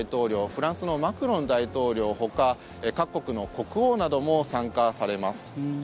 フランスのマクロン大統領ほか各国の国王なども参加されます。